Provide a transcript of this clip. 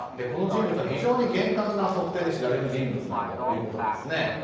この人物は非常に厳格な測定で知られる人物なんだということなんですね。